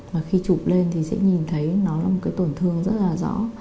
và khi chụp lên thì sẽ nhìn thấy nó là một cái tổn thương rất là rõ